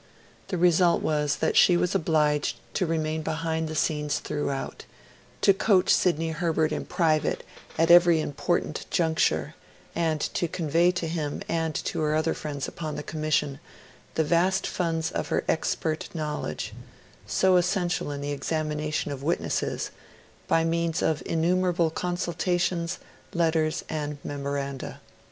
The result was that she was obliged to remain behind the scenes throughout, to coach Sidney Herbert in private at every important juncture, and to convey to him and to her other friends upon the Commission the vast funds of her expert knowledge so essential in the examination of witnesses by means of innumerable consultations, letters, and memoranda.